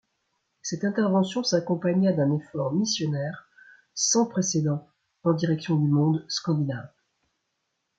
Cette intervention s’accompagna d’un effort missionnaire sans précédent en direction du monde scandinave.